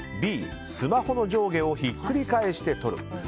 Ｂ、スマホの上下をひっくり返して撮る。